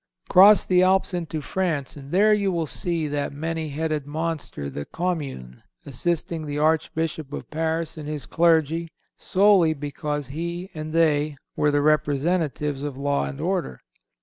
Cross the Alps into France and there you will see that many headed monster, the Commune, assassinating the Archbishop of Paris and his clergy, solely because he and they were the representatives of law and order.